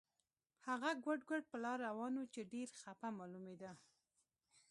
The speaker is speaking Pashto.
هغه ګوډ ګوډ پر لار روان و چې ډېر خپه معلومېده.